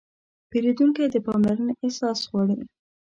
پیرودونکی د پاملرنې احساس غواړي.